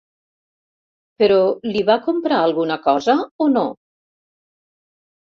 Però li va comprar alguna cosa o no?